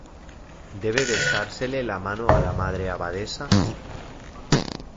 ¿ debe besársele la mano a la Madre Abadesa?